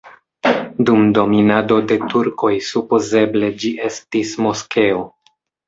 Dum dominado de turkoj supozeble ĝi estis moskeo.